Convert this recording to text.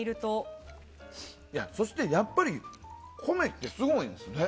そしてやっぱり米ってすごいんですね。